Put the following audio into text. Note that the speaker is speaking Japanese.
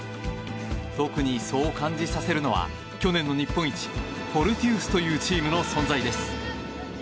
特にそう感じさせるのは去年の日本一フォルティウスというチームの存在です。